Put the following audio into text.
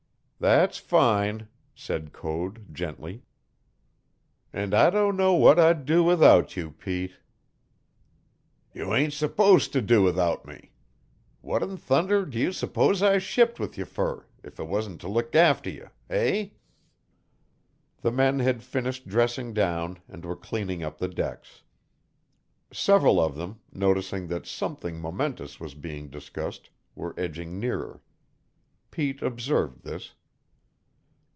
"That's fine," said Code gently; "and I don't know what I'd do without you, Pete." "You ain't supposed to do without me. What in thunder do you suppose I shipped with you fer if it wasn't to look after you, hey?" The men had finished dressing down and were cleaning up the decks. Several of them, noticing that something momentous was being discussed, were edging nearer. Pete observed this.